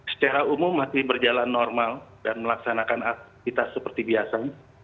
secara umum masih berjalan normal dan melaksanakan aktivitas seperti biasa